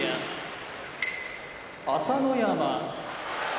朝乃山